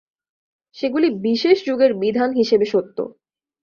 সেগুলি বিশেষ যুগের বিধান হিসাবে সত্য।